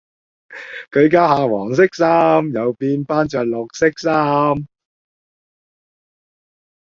佢家下黃色衫，又變返著綠色衫